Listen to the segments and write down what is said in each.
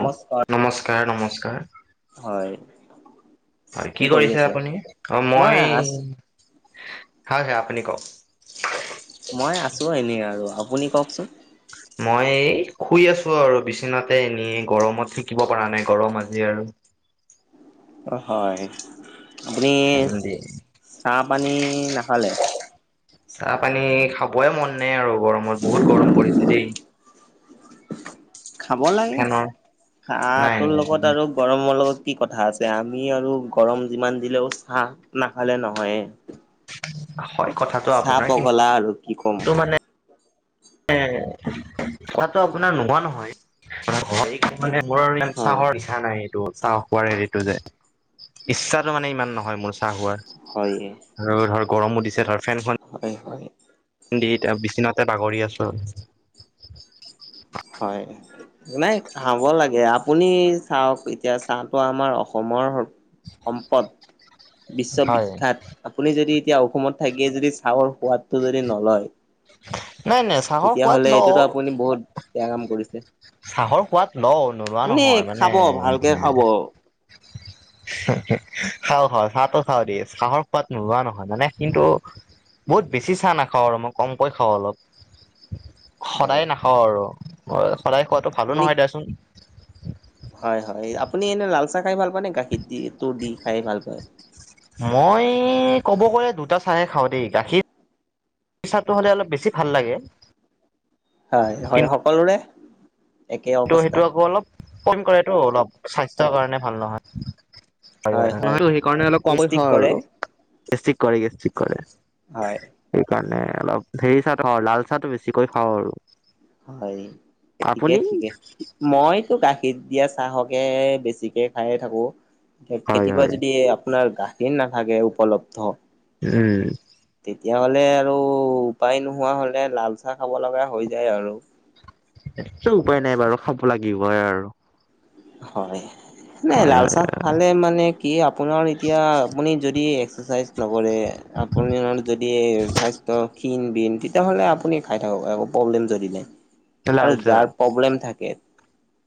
নমস্কাৰ নমস্কাৰ, নমস্কাৰ। হয় হয় কি কৰি কৰিছে আছে আপুনি? অ মই, হয় হে আপুনি কওক। মই আছো এনেই আৰু আপুনি কওকচোন। মই এই শুই আছো আৰু বিচনাতে। এনেই গৰমত থাকিব পৰা নাই। গৰম আজি আৰু অ, হয় আপুনি ফেন দি চাহ-পানী নাখালে? চাহ-পানী খাবই মন নাই আৰু গৰমত বহুত গৰম পৰিছে দেই। খাব লাগে। ফেনৰ নাই চাহটোৰ নাই লগত আৰু গৰমৰ লগত কি কথা আছে? আমি আৰু গৰম যিমান দিলেও চাহ নাখালে নহয়ে। হয় কথা চাহ পগলা আৰু কি ক'ম। মানে এ কোৱাটো আপোনাৰ নোহোৱা নহয়। মানে মই মানে বৰ [unintelligible] হয় চাহৰ [unintelligible] নাই এইটো চাহ খোৱাৰ হেৰিটো যে ইচ্ছাটো মানে ইমান নহয় মোৰ চা চাহ হোৱা হয়ে আৰু ধৰ গৰমো দিছে ধৰ ফেনখন। হয় হয়। দি এতিয়া বিচনাতে বাগৰি আছো আৰু। হয়। নাই খাব লাগে আপুনি চাওক এতিয়া চাহটো আমাৰ অসমৰ সম্পত। হয় বিশ্ববিখ্যাত আপুনি যদি এতিয়া অসমত থাকিয়ে যদি চাহৰ সোৱাদটো যদি নলয়। নাই নাই চাহৰ তেতিয়া সোৱাদ হ'লে লওঁ এটোতো আপুনি বহুত বেয়া কাম কৰিছে। চাহৰ সোৱাদ ল নোলোৱা আপুনি নহয় মানে খাব ভালকে খাব খাওঁ খাওঁ চাহো চাও দেই চাহৰ সোৱাদ নোযোৱা নহয় মানে কিন্তু বহুত বেছি চাহ নাখাওঁ আৰু মই কমকৈ খাওঁ অলপ। [inaudible] সদায় নাখাওঁ আৰু সদায় খোৱাতটো ভালো আপুনি নহয় দে চোন। হয় হয় আপুনি এনে লালচাহ খাই ভাল পায় নে গাখীৰ দি তোৰ দি খাই ভাল পায়। মই ক'ব গ'লে দুটা চাহে খাওঁ দেই। গাখীৰ পিচাটো হ'লে অলপ বেছি ভাল লাগে। হয় হয় সকলোৰে একে ত' অৱস্থা সেইটো আকৌ অলপ কন কৰে ত অলপ স্বাস্থ্যৰ কাৰণে ভাল নহয়। হয় হয় নহয়টো সেইকাৰণে অলপ কম গেষ্টিক খাওঁ আৰু কৰে গেষ্ট্ৰিক কৰে গেষ্ট্ৰিক কৰে। হয়। সেইকাৰণে অলপ হেৰি চাহ হয় লাল চাহটো বেছিকৈ খাওঁ আৰু। হয় ঠিকে আপুনি ঠিকে মইতো গাখীৰ দিয়া চাহকে বেছিকে খাই থাকো। হয় কেতিয়াবা হয় যদি আপোনাৰ গা- এ নাথাকে উপলব্ধ। উম। তেতিয়া হ'লে আৰু উপায় নোহোৱা হলে লাল চাহ খাব লগা হৈ যায় আৰু। এটো উপায় নাই বাৰু খাব লাগিব হয় আৰু। হয় নাই হয় লাল হয় চা ভালে মানে কি আপোনাৰ এতিয়া আপুনি যদি এক্সাৰচাইজ নকৰে। আপুনি যদি স্বাস্থ্য ক্ষীণ বিণ তেতিয়া হ'লে আপুনি খাই থাকক একৌ প্ৰব্লেম যদি নাই। আৰু লাল চাহ যাৰ প্ৰব্লেম থাকে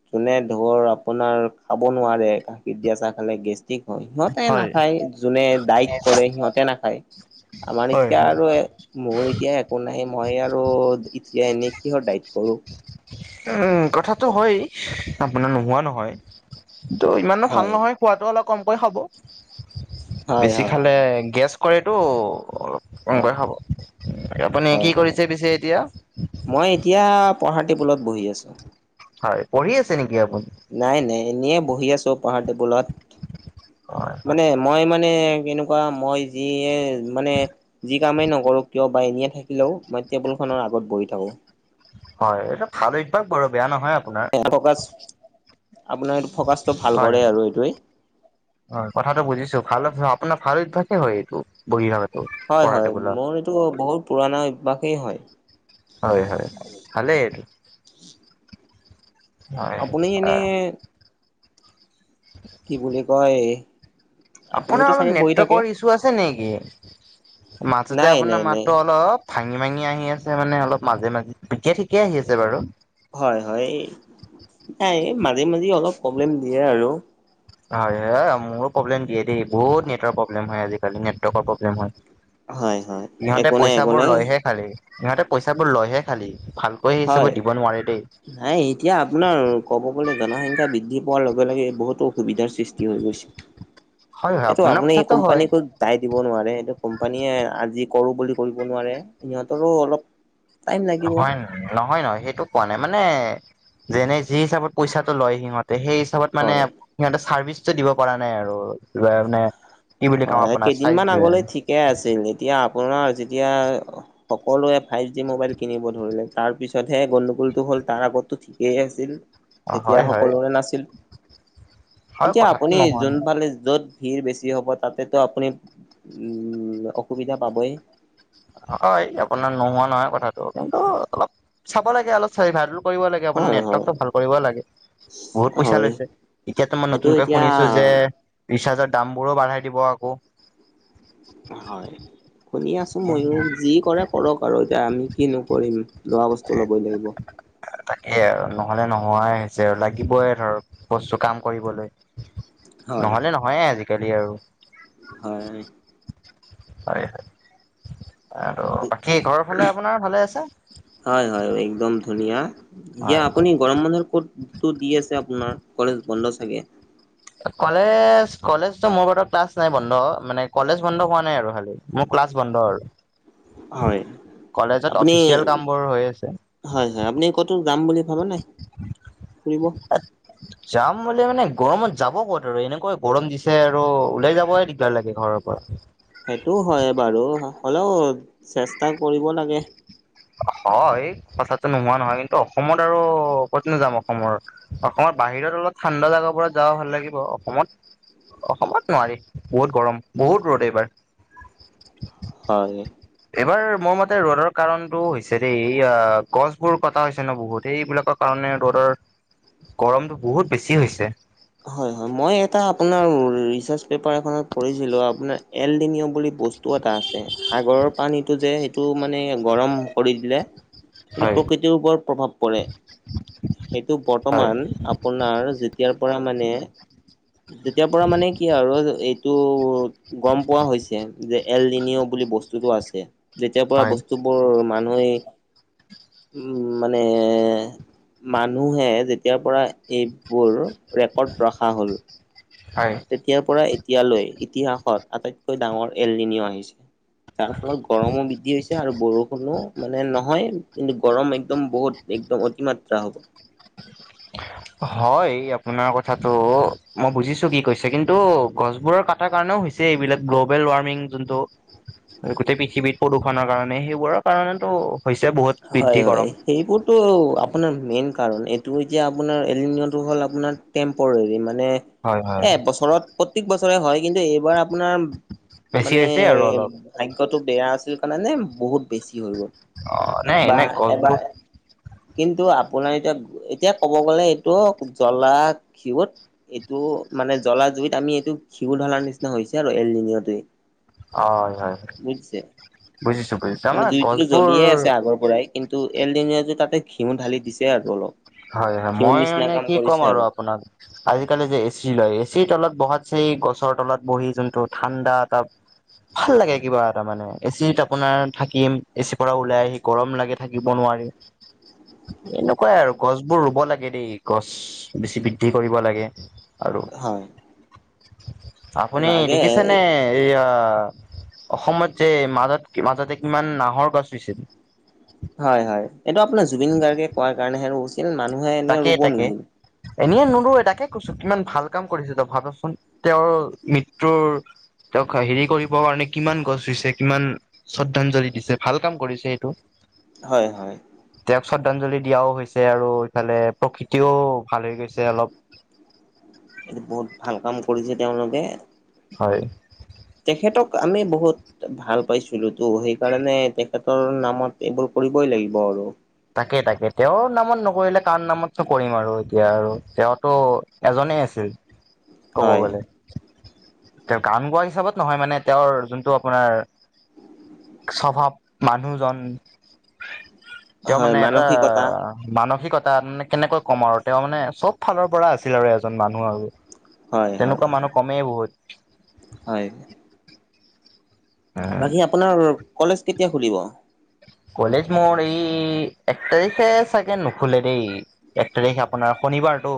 যোনে ধৰ আপোনাৰ খাব নোৱাৰে গাখীৰ দিয়া চাহ খালে গেষ্ট- হয় সিহঁতে হয় নাখায় যোনে ডাইট কৰে সিহঁতে নাখায়। আমাৰ হয় এতিয়া হয় আৰু মোৰ এতিয়াই কোন নাই মই আৰু এতিয়া এনেই কিহৰ ডাইট কৰোঁ। উম কথাটো হয়, আপোনাৰ নোহোৱা নহয়। ত' ইমানো ভাল হয়, নহয় খোৱাটো অলপ কমকৈ খাব। হয়, বেছি হয়, খালে গেছ কৰেটো কমকৈ হয়, খাব আপুনি হয়, কি হয়। কৰিছে পিছে এতিয়া মই এতিয়া পহাতি পোলত বহি আছোঁ। হয় পঢ়ি আছে নেকি আপুনি? নাই নাই এনে বহি আছো পঢ়াৰ টেবুলত, হয় হয় মানে মই মানে কেনেকুৱা মই যিয়ে মানে যি কামেই নকৰো কিয় বা এনেয়েই থাকিলেও মই টেবুলখনৰ আগত বহি থাকোঁ। হয় এইটো ভাল অভ্যাস বাৰু বেয়া নহয়। আপোনাৰ [unintelligible] আপোনাৰ এই ফকাচটো ভাল হয় কৰে হয় আৰু এইটোৱে হয় কথাটো বুজিছো ভাল অভ্যাস আপোনাৰ অভ্যাসে হয় এইটো। বহি আগতো হয় হয় মোৰ এইটো বহুত পুৰণা অভ্যাসেই হয়। হয় হয় ভালে এটো হয় আপুনি এনেই কি বুলি কয় আপুনিওতো আপোনাৰ অলপ চাগে বহি থাকে? নেটৱৰ্কৰ ইছ্যু আছে নেকি? মাজতে নাই আপোনাৰ নাই নাই মাতটো অলপ ভাঙি ভাঙি আহি আছে মানে অলপ মাজে মাজে পিকে ঠিকে আহি আছে বাৰু। হয় হয় এই নাই মাজে মাজে অলপ প্ৰব্লেম দিয়ে আৰু হয় হয় মোৰো প্ৰব্লেম দিয়ে দেই বহুত নেটৰ প্ৰব্লেম হয় আজিকালি নেটৱৰ্কৰ প্ৰব্লেম হয় হয় হয় ইহঁতেই একো নাই একো পইচাবোৰ নাই লয়হে খালি ইহঁতে পইচাবোৰ লৈহে খালি ভাল হয় নাইট এতিয়া আপোনাৰ ক'ব গ'লে জনসংখ্যা বৃদ্ধি পোৱাৰ লগে লগে বহুতো অসুবিধাৰ সৃষ্টি হৈ গৈছে হয় হয় এইটো আপোনাৰ আপনি এই কথাটো হয় কোম্পানীটোক দাই দিব নোৱাৰে সেইটো কোম্পানীয়ে আজি কৰো বুলি কৰিব নোৱাৰে সিহঁতৰো অলপ টাইম লাগিব নহয় নহয় নহয় সেইটো কোৱা নাই মানে যেনে যি হিচাপত পইচাটো লয় সিহঁতে সেই হিচাপত মানে হয় সিহঁতে চাৰ্ভিচটো দিব পৰা নাই আৰু কিবা মানে কি বুলি কাম হয় আপোনাৰ চাইজ কেইদিনমান বেৰে আগলৈ ঠিকে আছিল এতিয়া আপোনাৰ যেতিয়া সকলোৱে ফাইভ জি মোবাইল কিনিব ধৰিলে তাৰ পিছতহে গণ্ডগোলটো হ'ল তাৰ আগতো ঠিকেই আছিল তেতিয়া হয় হয় সকলোৰে নাছিল হয় এতিয়া কথাটো আপুনি নহয় যোনফালে যত ভিৰ বেছি হ'ব তাতেতো আপুনি উম অসুবিধা পাবই হয় আপোনাৰ নোহোৱা নহয় কথাটো কিন্তু অলপ চাব লাগে অলপ চাইবাৰো কৰিব লাগে আপোনাৰ হয় হয় নেটৱৰ্কটো ভাল কৰিব লাগে বহুত পইচা হয় লৈছে এতিয়াতো মই সেইটো নতুনকৈ এতিয়া শুনিছো যে ৰিচাৰ্জৰ দামবোৰো বঢ়াই দিব আকৌ হয় শুনি আছো ময়ো যি কৰে কৰক আৰু এতিয়া আমি কিনো কৰিম। লোৱা বস্তু ল'বই লাগিব। তাকেই আৰু নহলে নোহোৱাই হৈছে আৰু লাগিবই ধৰক বস্তু কাম কৰিবলৈ। হয় নহলে নহয়ে আজিকালি আৰু হয় হয় হয় আৰু বাকী ঘৰৰ ফালে আপোনাৰ ভালে আছে হয় হয় একদম ধুনীয়া দিয়া হয় হয় আপুনি গৰম বন্ধত ক'ত টো দিয়ে আছে আপোনাৰ কলেজ বন্ধ চাগে কলেজ কলেজতো মোৰ বাতত ক্লাছ নাই বন্ধ মানে কলেজ বন্ধ হোৱা নাই আৰু খালি মোৰ ক্লাছ বন্ধৰ হয় আপুনি। অফিচিয়েল কামবোৰ হৈ আছে। হয় হয় আপনি কতো যাম বুলি ভাব নাই? ফুৰিব [unintelligible] যাম বুলি মানে গৰমত যাব ক'ত আৰু এনেকুৱা গৰম দিছে আৰু ওলাই যাবই দিগ দাৰ লাগে ঘৰৰ পৰা। সেইটোও হয়ে বাৰু হ'লেও চেষ্টা কৰিব লাগে। হয় কথাটো নোহোৱা নহয় কিন্তু অসমত আৰু ক'তনো যাম অসমৰ। অসমত বাহিৰত অলপ ঠাণ্ডা জাগাবোৰত যাব ভাল লাগিব অসমত। অসমত নোৱাৰি বহুত গৰম বহুত ৰ'দ এইবাৰ। হয়। এইবাৰ মোৰ মতে ৰ'দৰ কাৰণতো হৈছে দেই এয়া গছবোৰ কটা হৈছে ন বহুতে এইবিলাকক। কাৰণে ৰ'দৰ গৰমটো বহুত বেছি হৈছে। হয় হয় মই এটা আপোনাৰ ৰিচাৰ্চ পেপাৰ এখনত পঢ়িছিলোঁ আপোনাৰ এল্ডিনীয়ম বুলি। বস্তু এটা আছে সাগৰৰ পানীটো যে সেইটো মানে গৰম কৰি দিলে। সেটো হয় প্ৰকৃতিৰ ওপৰত প্ৰভাৱ পৰে সেইটো হয় বৰ্তমান। আপোনাৰ, যেতিয়াৰ পৰা মানে, যেতিয়াৰ পৰা মানে, কি আৰু এই তো গম পোৱা হৈছে। যে, [unintelligible] বুলি বস্তুটো আছে। যেতিয়াৰ পৰা হয় বস্তুবোৰ মানুহে উম মানে। মানুহে যেতিয়াৰ পৰা এইবোৰ ৰেকৰ্ড ৰখা হল। হয়! তেতিয়াৰ, পৰা এতিয়ালৈ, ইতিহাসত আটাইতকৈ ডাঙৰ এল নিনো আহিছে। তাৰ ফলত, গৰমো বৃদ্ধি হৈছে আৰু! বৰষুণো মানে, নহয়। কিন্তু, গৰম একদম বহুত, একদম অতিমাত্ৰা হ'ব। [inaudible] হয়, আপোনাৰ কথাতো। মই বুজিছোঁ, কি কৈছে কিন্তু, গছবোৰৰ ক এটা কাৰণেও হৈছে, এইবিলাক। গ্ল'বেল ৱাৰ্মিং যোনটো। গোটেই পৃথিৱীত প্ৰদূষণৰ কাৰণে, সেইবোৰৰ কাৰণেতো হৈছে বহুত। বৃদ্ধি হয়, হয়। গৰম সেইবোৰ এইটো আপোনাৰ মেইন কাৰণ। এইটো যে, আপোনাৰ এল নিনোটো হ'ল, আপোনাৰ টেম্পৰেৰি। মানে হয় হয় এক বছৰত, প্ৰত্যেক বছৰে হয়। কিন্তু, এইবাৰ আপোনাৰ বেছি মানে, হৈছে আৰু অলপ ভাগ্যটো বেয়া আছিল কাৰণে, বহুত বেছি হৈ গ'ল। অ'! নাই বা নাই এবাৰ গছবোৰ কিন্তু, আপোনাৰ এতিয়া, এতিয়া ক'ব গ'লে, এইটো জ্বলা ঘিউত এইটো মানে, জ্বলা জুইত আমি, এইটো ঘিউ ঢলাৰ নিচিনা হৈছে আৰু [unintelligible] টোৱে। হয়, হয়! বুজিছোঁ, বুজিছোঁ। মানে আমাৰ জুইটোতো গছবোৰ জ্বলিয়ে আছে আগৰ পৰাই। কিন্তু, এল নিনোটো ঘিউ ঢালি দিছে আৰু অলপ। হয়, হয়। ঘিউৰ মই নিচিনা মানে, কাম কি ক'ম কৰিছে আৰু আপোনাক? আজিকালি যে, এচি লয়। এচিৰ তলত বহাত চে, গছৰ তলত বহি যোনটো ঠাণ্ডা এটা ভাল লাগে! কিবা এটা মানে। এচিত আপোনাৰ থাকিম, এচিৰ পৰা ওলাই আহি গৰম লাগে, থাকিব নোৱাৰে। [inaudible] এনেকুৱাই আৰু। গছবোৰ ৰোব লাগে দেই, গছ বেছি বৃদ্ধি কৰিব লাগে। আৰু হয়! আপুনি লাগে দেখিছেনে? এইয়া, অসমত যে মাজত, মাজতে কিমান নাহৰ গছ ৰোইছিল। হয়, হয়। এইটো আপোনাৰ জুবিন গাৰ্গে কোৱাৰ কাৰণেহে, ৰোইছিল। মানুহে এনেও ৰোব নেকি? এনেইে, নোৰোৱে। তাকে কৈছোঁ! কিমান ভাল কাম কৰিছে, ত' ভাবচোন! তেওঁৰ মৃত্যুৰ তেওঁক, হেৰি কৰিবৰ কাৰণে, কিমান গছ ৰোইছে, কিমান শ্ৰদ্ধাঞ্জলি দিছে, ভাল কাম কৰিছে এইটো! হয়, হয়। তেওঁক, শ্ৰদ্ধাঞ্জলি দিয়াও হৈছে আৰু। ইফালে, প্ৰকৃতিও ভাল হৈ গৈছে অলপ। এইটো বহুত ভাল কাম কৰিছে, তেওঁলোকে। হয়! তেখেতক, আমি বহুত ভাল পাইছিলোঁ তো। সেইকাৰণে, তেখেতৰ নামত এইবোৰ কৰিবই লাগিব আৰু। তাকেই, তাকেই। তেওঁৰ নামত নকৰিলে, কাৰ নামত ত' কৰিম আৰু। এতিয়া আৰু তেওঁতো, এজনে আছিল। [inaudible] ক'ব হয় গ'লে। তেওঁ গান গোৱা হিচাপত নহয়, মানে। তেওঁৰ, যোনটো আপোনাৰ স্বভাৱ, মানুহজন। তেওঁ হয় মানে, এটা মানসিকতা মানসিকতা মান, কেনেকৈ কম আৰু! তেওঁ মানে, চব ফালৰ পৰা আছিল আৰু এজন মানুহ আৰু। হয় হয় তেনেকুৱা মানুহ কমেই বহুত। হয়! উম বাকী আপোনাৰ, কলেজ কেতিয়া খুলিব? কলেজ মোৰ এই এক তাৰিখে চাগে নুখোলে দেই। এক তাৰিখ আপোনাৰ শনিবাৰ টো।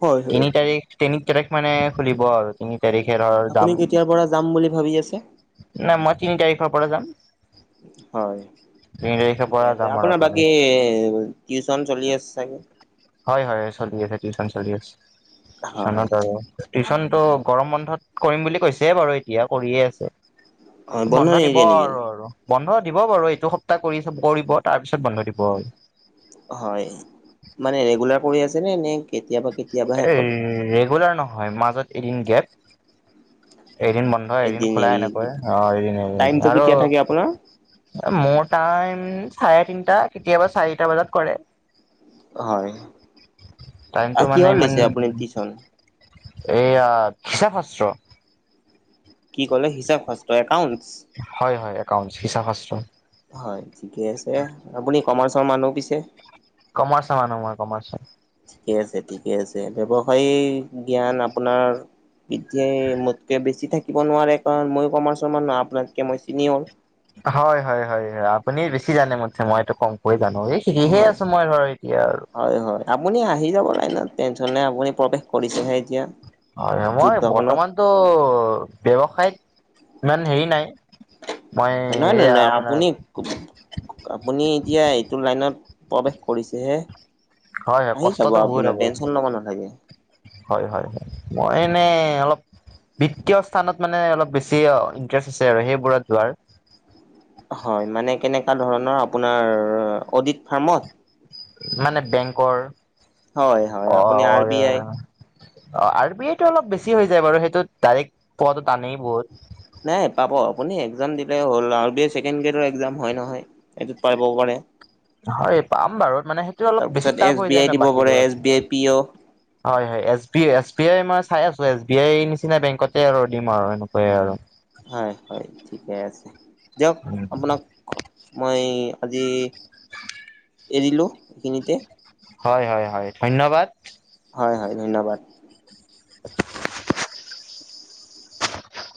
হয় হয় তিনি তাৰিখ, তিনি তাৰিখ মানে খুলিব আৰু। তিনি তাৰিখে, ধৰ আপুনি যাম। কেতিয়াৰ পৰা যাম বুলি ভাবি আছে মানে, মই তিনি তাৰিখৰ পৰা যাম। হয়। তিনি তাৰিখৰ পৰা যাম আৰু আপোনাৰ বাকী কলেজ টিউচন চলি আছে চাগে? হয়-হয়, চলি আছে টিউচন চলি আছে। হয় টিউচনত আৰু টিউচনটো গৰম বন্ধত কৰিম বুলি কৈছে বাৰু এতিয়া কৰিয়ে আছে। হয় বন্ধ দিব নিদিয়ে নেকি আৰু। বন্ধ দিব বাৰু এইটো সপ্তাহ কৰিব কৰিব তাৰ পিছত বন্ধ দিব আৰু। হয়, মানে ৰেগুলাৰ কৰি আছে নে? কেতিয়াবা কেতিয়াবাহে এ' কৰে ৰেগুলাৰ নহয়, মাজত এদিন গেপ এদিন বন্ধ। বন্ধ এদিন খোলা এনেকৈ। টাইমটো অ, কেতিয়া থাকে আপোনাৰ আৰু মোৰ টাইম চাৰে তিনটা কেতিয়াবা চাৰিটা বজাত কৰে। হয়। টাইমটো আৰু মানে কিহৰ ইমান লৈছে আপুনি টিউচন? এইয়া হিচাপ শাস্ত্ৰ। কি ক'লে হিচাব শাস্ত একাউণ্টছ? হয়-হয়, একাউণ্ট হিচাপ শাস্ত। হয় ঠিকে আছে। আপুনি কমাৰ্চৰ মানুহ পিছে? কমাৰ্চৰ মই কমাৰ্চৰ। ঠিকে আছে, ঠিকে আছে। ব্যৱসায়িক জ্ঞান আপোনাৰ এতিয়া মোতকে বেছি থাকিব নোৱাৰে কাৰণ মই কমাৰ্চৰ মানুহ আপোনাতকে মই চিনিয়ৰ। হয়-হয়-হয়-হয়। আপুনি বেছি জানে মোতকে মই এইটো কম কে জানো এই। সিকি হে আছো মই এতিয়া আৰু। হয়-হয় আপুনি আহি যাবাই টেনচন নাই আপুনি প্ৰৱেশ কৰিছেহে এতিয়া। হয় মই যুদ্ধখনত বৰ্তমানতো ব্যৱসায়ত ইমান হেৰি নাই। মই হয় নহয় নহয় এইয়া নহয় আপোনাৰ আপুনি আপুনি এতিয়া এইটো লাইনত প্ৰৱেশ কৰিছেহে। হয় হয় আহি যাব কষ্টটো আপোনাৰ টেনচন লব নালাগে। হয়-হয়-হয়। মই এনেই অলপ বিত্তীয় স্থানত মানে অলপ বেছি ইণ্টাৰেষ্ট আছে আৰু সেইবোৰত যোৱাৰ। হয়, মানে কেনেকুৱা ধৰণৰ আপোনাৰ অডিত ফাৰ্মত। মানে বেংকৰ হয় হয় অ, আপুনি আৰ বি আই অঁহ আৰু আৰ বি আই টো অলপ বেছি হৈ যায় বাৰু সেইটো ডাৰেক পোৱাতো টানেই বহুত। নাই পাব আপুনি একজাম দিলে হ'ল আৰ বি আই ছেকেণ্ড গ্ৰেডৰ একজাম হয় নহয়। এইটোত পাবও পাৰে। হয়, পাম বাৰু মানে সেইটো অলপ বেছি তাৰপিছত এছ টাফ হৈ বি যায় আই ন দিব পাৰে বাকীবোৰত এছ কে। বি আই পি অ' হয়-হয় S B S B I মই চাই আছো এছ বি আই নিচিনা বেংকতে আৰু দিম আৰু এনেকুৱে আৰু। হয়-হয় ঠিকে আছে, দিয়ক আপোনাক মই আজি এৰিলো এইখিনিতে। হয়-হয়-হয় ধন্যবাদ। হয়-হয় ধন্যবাদ।